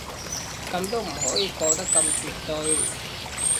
噉都唔可以講得咁絕對